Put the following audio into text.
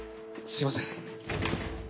すみません。